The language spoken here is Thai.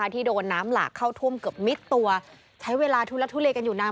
ที่โดนน้ำหลากเข้าท่วมเกือบมิดตัวใช้เวลาทุลักทุเลกันอยู่นาน